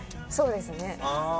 そうですね。